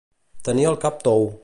Tenir el cap tou.